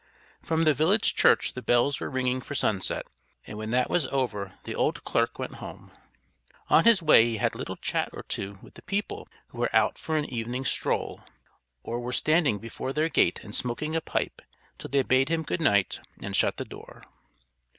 From the village church the bells were ringing for sunset, and when that was over the old clerk went home. On his way he had a little chat or two with the people who were out for an evening stroll, or were standing before their gate and smoking a pipe till they bade him good night and shut the door.